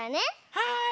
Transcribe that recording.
はい！